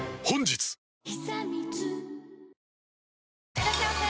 いらっしゃいませ！